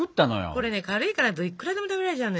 これね軽いからいくらでも食べられちゃうのよ。